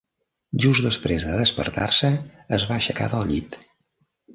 Just després de despertar-se, es va aixecar del llit.